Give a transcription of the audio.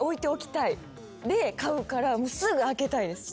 で買うからすぐ開けたいです。